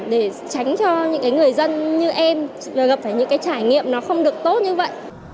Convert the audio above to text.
để tránh cho những người dân như em gặp phải những trải nghiệm không được tốt như vậy